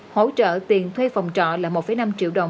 hỗ trợ tiền thuê phòng trọ là một năm triệu đồng